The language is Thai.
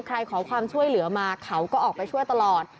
ขอความช่วยเหลือมาเขาก็ออกไปช่วยตลอด